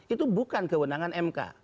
itu bukan kewenangan mk